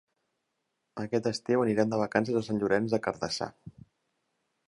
Aquest estiu anirem de vacances a Sant Llorenç des Cardassar.